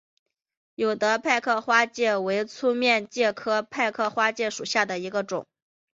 有德派克花介为粗面介科派克花介属下的一个种。